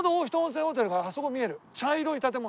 茶色い建物。